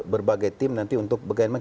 berbagai tim nanti untuk bagaimana